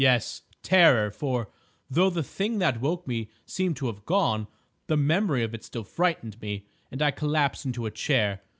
"Yes, terror; for, though the Thing that woke me seemed to have gone, the memory of it still frightened me, and I collapsed into a chair.